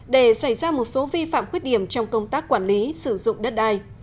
để xảy ra một số vi phạm khuyết điểm trong công tác quản lý sử dụng đất đai